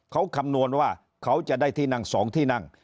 เขาคำนวณว่าเขาจะได้ที่นั่ง๒ที่นั่ง